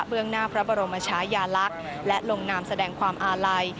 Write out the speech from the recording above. หน้าพระบรมชายาลักษณ์และลงนามแสดงความอาลัย